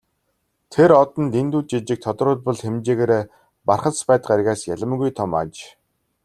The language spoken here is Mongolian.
Тэр од нь дэндүү жижиг, тодруулбал хэмжээгээрээ Бархасбадь гаригаас ялимгүй том аж.